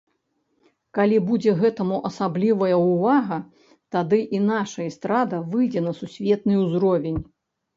Калі будзе гэтаму асаблівая ўвага, тады і нашая эстрада выйдзе на сусветны ўзровень.